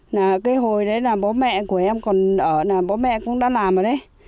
cái hồi đấy là bố mẹ của em còn ở bố mẹ cũng đã làm rồi đấy